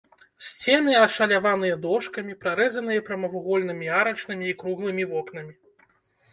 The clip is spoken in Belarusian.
Сцены ашаляваныя дошкамі, прарэзаныя прамавугольнымі арачнымі і круглымі вокнамі.